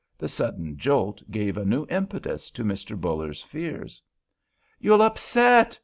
The sudden jolt gave a new impetus to Mr. Buller's fears. "You'll upset!"